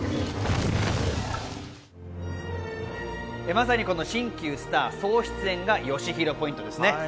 まさにこの新旧スター総出演がよしひろポイントですね。